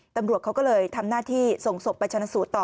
ตำรวจเขาก็เลยทำหน้าที่ส่งศพไปชนะสูตรต่อ